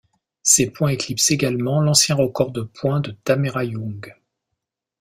Ses points éclipsent également l'ancien record de points de Tamera Young.